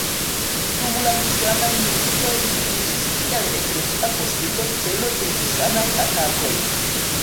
Dum la husanaj militoj ĝi iĝis kiel eklezia posedo celo de husanaj atakoj.